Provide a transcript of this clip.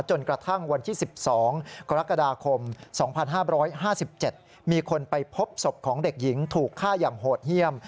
จนกระทั่งวันที่๑๒กรกฎาคม๒๕๕๗มีคนไปพบศพของเด็กหญิงถูกฆ่าอย่างโหดเยี่ยม